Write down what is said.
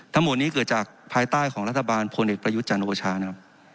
ทั้งหมดนี้เกิดจากภายใต้ของรัฐบาลพลเอกประยุทธ์จันทร์โอชานะครับ